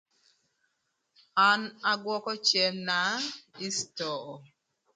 An agwökö cemna ï citoo.